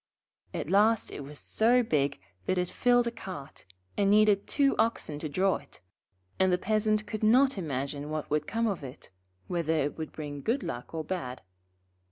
At last it was so big that it filled a cart, and needed two oxen to draw it; and the Peasant could not imagine what would come of it, whether it would bring good luck or bad.